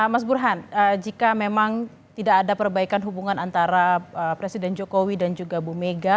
mas burhan jika memang tidak ada perbaikan hubungan antara presiden jokowi dan juga bu mega